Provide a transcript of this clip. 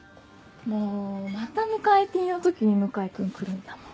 もうまた向井Ｔの時に向井君来るんだもん。